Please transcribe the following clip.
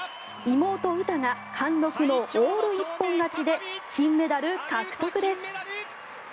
妹・詩が貫禄のオール一本勝ちで金メダル獲得です。